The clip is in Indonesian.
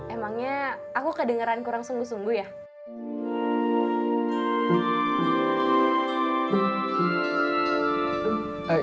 emangnya aku kedengeran kurang sungguh sungguh ya